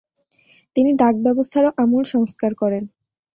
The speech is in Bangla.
তিনি ডাক ব্যবস্থারও আমূল সংস্কার করেন।